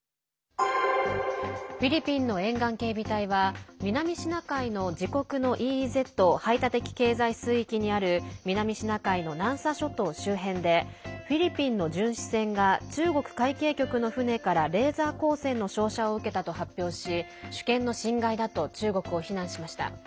フィリピンの沿岸警備隊は南シナ海の自国のＥＥＺ＝排他的経済水域にある南シナ海の南沙諸島周辺でフィリピンの巡視船が中国海警局の船からレーザー光線の照射を受けたと発表し主権の侵害だと中国を非難しました。